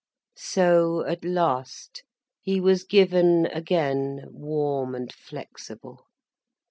So at last he was given again, warm and flexible.